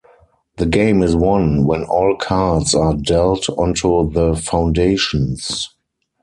The game is won when all cards are dealt onto the foundations.